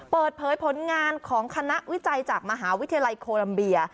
เปิดเผยผลงานของคณะวิจัยจากมหาวิทยาลัยโคลัมเบีย